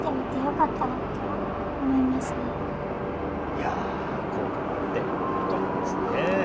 いや効果があってよかったですね。